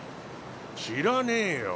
知らねぇよ。